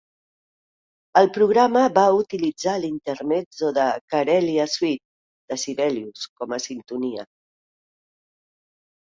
El programa va utilitzar l'intermezzo de "Karelia Suite" de Sibelius com a sintonia.